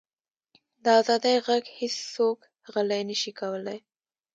د ازادۍ ږغ هیڅوک غلی نه شي کولی.